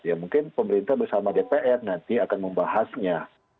ya mungkin pemerintah bersama dpr nanti akan membahasnya